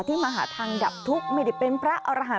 มาหาทางดับทุกข์ไม่ได้เป็นพระอรหันธ